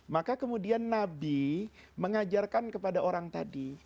maka kemudian nabi mengajarkan kepada orang tadi